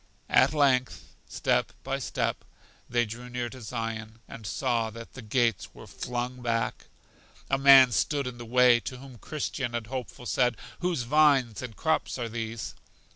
At length, step by step, they drew near to Zion, and saw that the gates were flung back. A man stood in the way, to whom Christian and Hopeful said: Whose vines and crops are these?